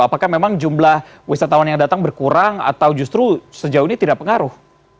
apakah memang jumlah wisatawan yang datang berkurang atau justru sejauh ini tidak pengaruh